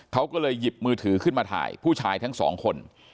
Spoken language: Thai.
เขาก็เลยหยิบมือถือขึ้นมาถ่ายผู้ชายทั้งสองคน